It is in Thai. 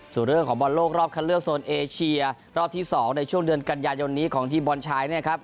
ส่วนเรื่องของบอลโลกรอบคันเลือกโซนเอเชียรอบที่๒ในช่วงเดือนกันยายนนี้ของทีมบอลชายเนี่ยครับ